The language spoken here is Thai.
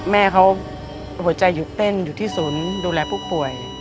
แม่เขาหัวใจหยุดเต้นอยู่ที่ศูนย์ดูแลผู้ป่วย